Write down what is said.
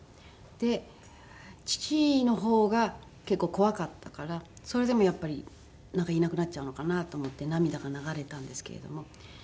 で父の方が結構怖かったからそれでもやっぱりいなくなっちゃうのかなと思って涙が流れたんですけれども。